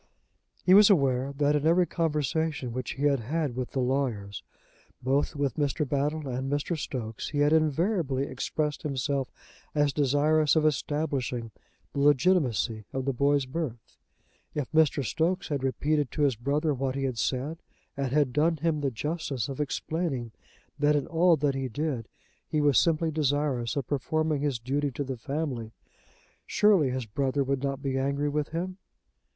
He was aware that in every conversation which he had had with the lawyers, both with Mr. Battle and Mr. Stokes, he had invariably expressed himself as desirous of establishing the legitimacy of the boy's birth. If Mr. Stokes had repeated to his brother what he had said, and had done him the justice of explaining that in all that he did he was simply desirous of performing his duty to the family, surely his brother would not be angry with him!